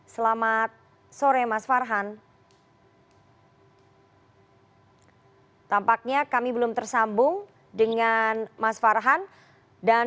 selamat sore mas farhan